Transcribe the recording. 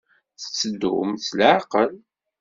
Tetteddum s leɛqel.